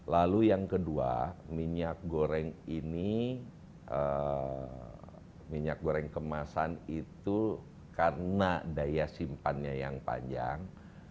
lalu yang kedua minyak goreng ini minyak goreng kemasan itu karena daya simpannya yang panjang